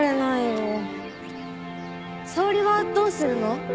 沙織はどうするの？